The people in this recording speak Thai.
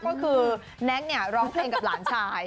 ก็คือแน็กเนี่ยร้องเพลงกับหลานชาย